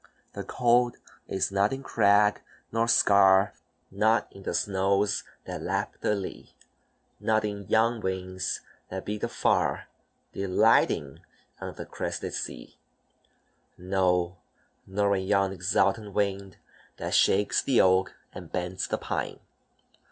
"The cold is not in crag, nor scar, Not in the snows that lap the lea, Not in yon wings that beat afar, Delighting, on the crested sea; "No, nor in yon exultant wind That shakes the oak and bends the pine.